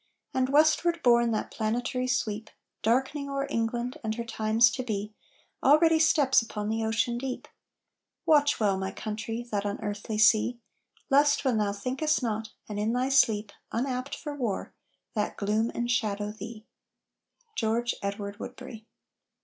And westward borne that planetary sweep, Darkening o'er England and her times to be, Already steps upon the ocean deep! Watch well, my country, that unearthly sea, Lest when thou thinkest not, and in thy sleep, Unapt for war, that gloom enshadow thee! GEORGE EDWARD WOODBERRY.